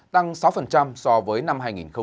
tăng sáu so với năm hai nghìn một mươi bảy